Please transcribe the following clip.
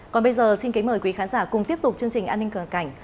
còn bây giờ xin kính mời quý khán giả cùng tiếp tục chương trình an ninh cường cảnh